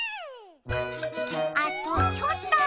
あとちょっと。